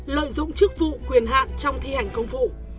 lợi dụng chức vụ quyền hạn trong thi hành công vụ